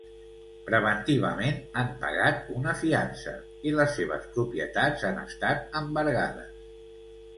Preventivament, han pagat una fiança i les seves propietats han estat embargades.